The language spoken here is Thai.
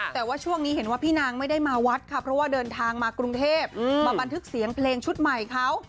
แต่ว่าช่วงนี้เห็นว่าพี่นางไม่ได้มาวัดค่ะเพราะว่าเดินทางมากรุงเทพมาบันทึกเสียงเพลงชุดใหม่เขา